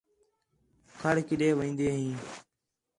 کھڑ کِݙے وین٘دی ہیں